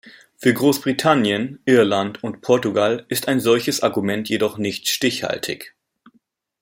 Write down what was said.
Für Großbritannien, Irland und Portugal ist ein solches Argument jedoch nicht stichhaltig!